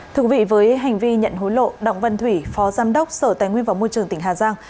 thực vị với hành vi nhận hối lộ động văn thủy phó giám đốc sở tài nguyên vào môi trường tỉnh hà giang